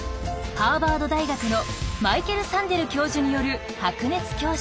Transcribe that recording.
ハーバード大学のマイケル・サンデル教授による白熱教室。